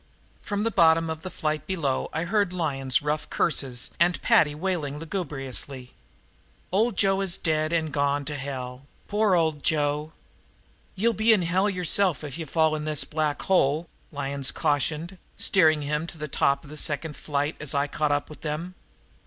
From the bottom of the flight below I heard Lyons' rough curses and Paddy wailing lugubriously: "Old Joe is dead, and gone to hell, poor old Joe!" "Ye'll be in hell yourself if ye fall in this black hole," Lyons cautioned, steering him to the top of the second flight as I caught up with them.